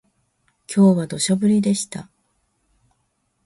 今日は土砂降りでした